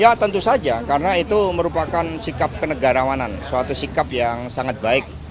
ya tentu saja karena itu merupakan sikap kenegarawanan suatu sikap yang sangat baik